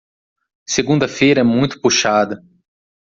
Segunda-feira é muito puxada.